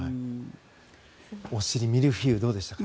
お尻、ミルフィーユどうでしたか？